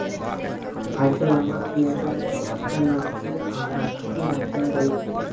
ভাইসাহেব, আমার মেয়েটার একটা নাম কি আপনি রাইখা যাইবেন?